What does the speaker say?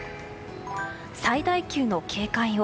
最大級の警戒を。